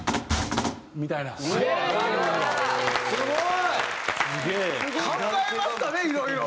すごい！考えましたねいろいろ！